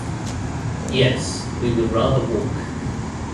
Yes, we would rather walk.